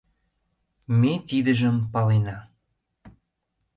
— Ме тидыжым палена.